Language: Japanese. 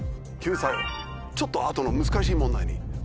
ちょっと後の難しい問題に。